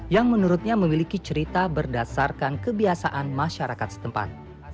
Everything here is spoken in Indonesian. yang menurutnya memiliki cerita berdasarkan kebiasaan masyarakat setempat